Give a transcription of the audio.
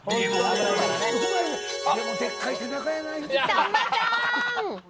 さんまさん。